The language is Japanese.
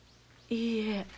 いいえ